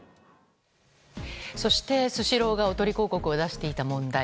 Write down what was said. そしてスシローがおとり広告を出していた問題。